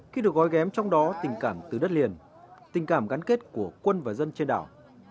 khi được gói ghém trong đó tình cảm từ đất liền tình cảm gắn kết của quân và dân trên đảo